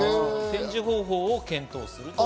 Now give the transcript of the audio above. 展示方法を検討すると。